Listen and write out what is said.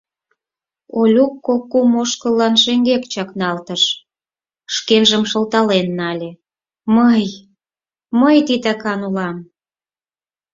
Олю кок-кум ошкыллан шеҥгек чакналтыш, шкенжым шылтален нале: «Мый, мый титакан улам!